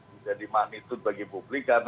menjadi maknitud bagi publik